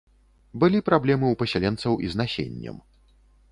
Былі праблемы ў пасяленцаў і з насеннем.